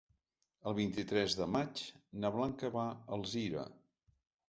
El vint-i-tres de maig na Blanca va a Alzira.